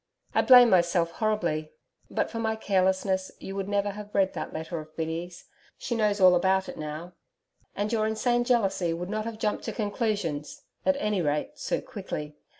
I blame myself horribly. But for my carelessness you would never have read that letter of Biddy's she knows all about it now and your insane jealousy would not have jumped to conclusions at any rate so quickly.